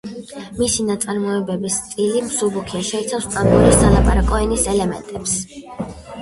მისი ნაწარმოებების სტილი მსუბუქია, შეიცავს სტამბოლის სალაპარაკო ენის ელემენტებს.